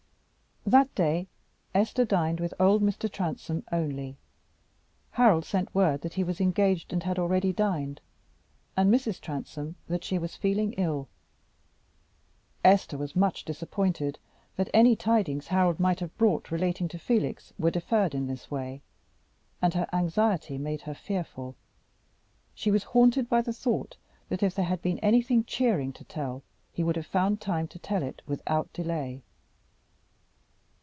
That day Esther dined with old Mr. Transome only. Harold sent word that he was engaged and had already dined, and Mrs. Transome that she was feeling ill. Esther was much disappointed that any tidings Harold might have brought relating to Felix were deferred in this way; and, her anxiety making her fearful, she was haunted by the thought that if there had been anything cheering to tell, he would have found time to tell it without delay.